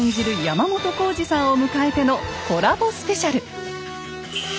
山本耕史さんを迎えてのコラボスペシャル！